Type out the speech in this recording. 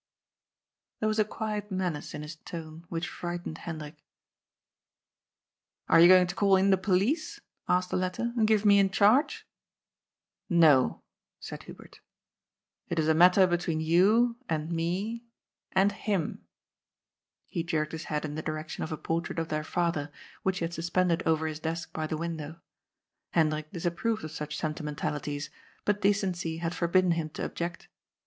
There was a quiet menace in his tone which frightened Hendrik. ^' Are you going to call in the police," asked the latter, " and give me in charge ?"" No," said Hubert. " It is a matter between you and me and — him." He jerked his head in the direction of a portrait of their father, which he had suspended over his desk by the window. Hendrik disapproved of such senti mentalities, but decency had forbidden him to object.